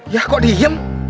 yah kok diem